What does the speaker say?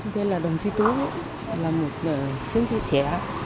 thế là đồng chí tú là một chiến sĩ trẻ